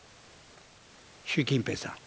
習近平さん。